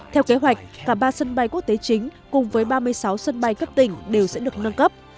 theo kế hoạch cả ba sân bay quốc tế chính cùng với ba mươi sáu sân bay cấp tỉnh đều sẽ được nâng cấp